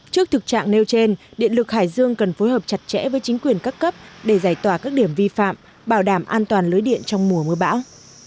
trước thực trạng nêu trên điện lực hải dương cần phối hợp chặt chẽ với chính quyền các cấp để giải tỏa các điểm vi phạm bảo đảm an toàn lưới điện trong mùa mưa bão